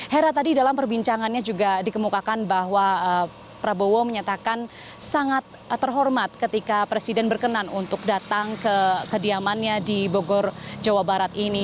hera tadi dalam perbincangannya juga dikemukakan bahwa prabowo menyatakan sangat terhormat ketika presiden berkenan untuk datang ke kediamannya di bogor jawa barat ini